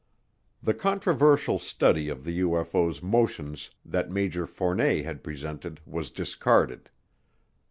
The controversial study of the UFO's' motions that Major Fournet had presented was discarded.